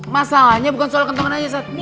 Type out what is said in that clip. masalahnya bukan soal kentongan saja